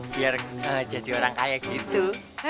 biar gak jadi orang kaya gitu